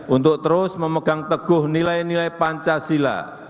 untuk terus memegang teguh nilai nilai pancasila